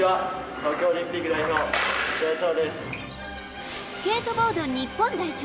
東京オリンピック代表スケートボード日本代表